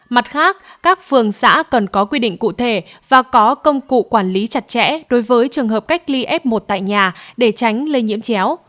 mặt khác các phường xã cần có quy định cụ thể và có công cụ quản lý chặt chẽ đối với trường hợp cách ly f một tại nhà để tránh lây nhiễm chéo